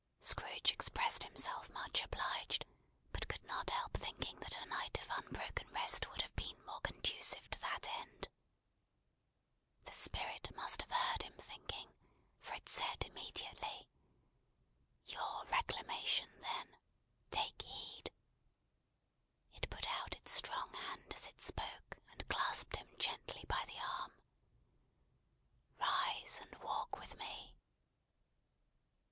Scrooge expressed himself much obliged, but could not help thinking that a night of unbroken rest would have been more conducive to that end. The Spirit must have heard him thinking, for it said immediately: "Your reclamation, then. Take heed!" It put out its strong hand as it spoke, and clasped him gently by the arm. "Rise! and walk with me!"